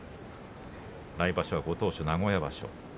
来場所、ご当所名古屋場所。